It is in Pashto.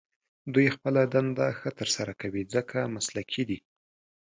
دوی خپله دنده ښه تر سره کوي، ځکه مسلکي دي.